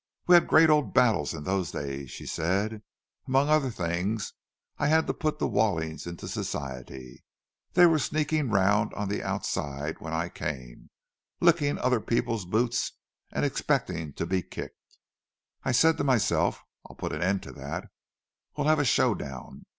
"We had great old battles in those days," she said. "Among other things, I had to put the Wallings into Society. They were sneaking round on the outside when I came—licking people's boots and expecting to be kicked. I said to myself, I'll put an end to that—we'll have a show down!